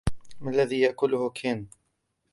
ما الذي يأكله كين ؟